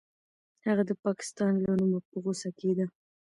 هغه د پاکستان له نومه په غوسه کېده.